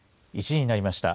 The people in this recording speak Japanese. １時になりました。